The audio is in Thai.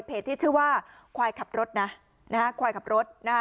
ที่ชื่อว่าควายขับรถนะนะฮะควายขับรถนะฮะ